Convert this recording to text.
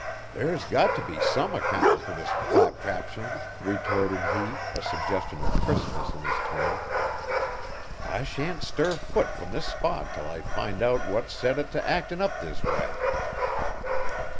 "There's got to be some accountin' fur this claptraption," retorted he, a suggestion of crispness in his tone. "I shan't stir foot from this spot 'til I find out what's set it to actin' up this way."